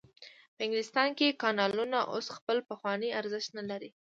په انګلستان کې کانالونو اوس خپل پخوانی ارزښت نلري.